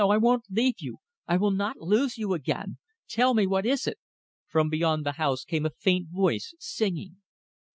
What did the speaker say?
I won't leave you. I will not lose you again. Tell me, what is it?" From beyond the house came a faint voice singing.